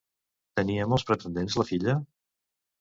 Tenia molts pretendents la filla?